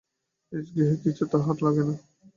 নিজ গৃহের কিছুই তাঁহার ভালো লাগে না।